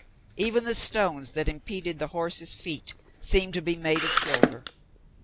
Even the stones that impeded the horses' feet seemed to be made of silver.